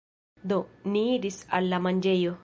Do, ni iris al la manĝejo.